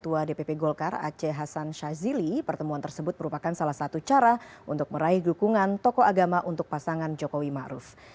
ketua dpp golkar aceh hasan shazili pertemuan tersebut merupakan salah satu cara untuk meraih dukungan tokoh agama untuk pasangan jokowi ⁇ maruf ⁇